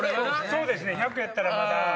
そうですね１００やったら。